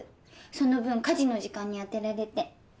その分家事の時間に充てられて。